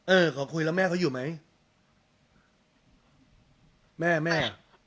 เออขอคุยแล้วแม่เขาอยู่ไหมแม่แม่